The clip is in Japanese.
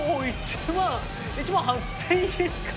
１万８，０００円か。